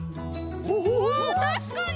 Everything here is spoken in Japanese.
おたしかに！